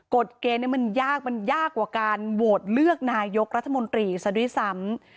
กฎเกณฑ์นี้มันยากมันยากกว่าการโหวตเลือกนายกรัฐมนตรีซะด้วยซ้ำ